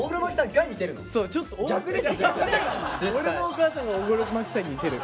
俺のお母さんが大黒摩季さんに似てる。